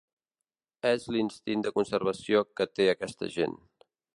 És l’instint de conservació que té aquesta gent.